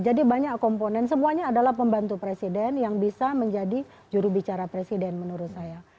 jadi banyak komponen semuanya adalah pembantu presiden yang bisa menjadi juru bicara presiden menurut saya